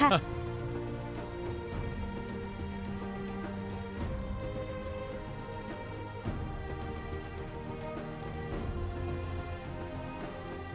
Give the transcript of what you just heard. หน้าทีมอืม